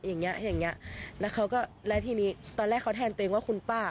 อย่างเงี้อย่างเงี้ยแล้วเขาก็แล้วทีนี้ตอนแรกเขาแทนตัวเองว่าคุณป้า